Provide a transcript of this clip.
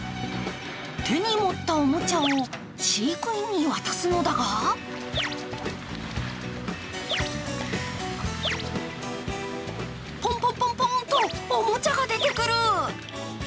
手に持ったおもちゃを飼育員に渡すのだがポンポンポンポンとおもちゃが出てくる。